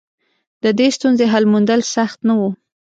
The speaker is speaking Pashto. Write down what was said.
د دې ستونزې حل موندل سخت نه و.